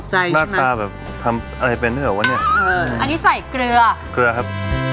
หน้าตาแบบทำอะไรเป็นได้เหรอวะเนี้ยเอออันนี้ใส่เกลือเกลือครับ